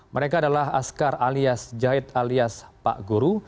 mereka adalah askar alias jahit alias pak guru